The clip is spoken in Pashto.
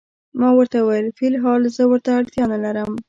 ما ورته وویل: فی الحال زه ورته اړتیا نه لرم.